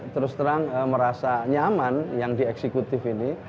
terus terang merasa nyaman yang di eksekutif ini